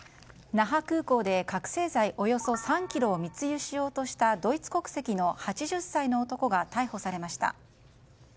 那覇空港で覚醒剤およそ３ｋｇを密輸しようとしたドイツ国籍の８０歳の男が逮捕されました。